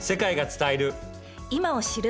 今を知る。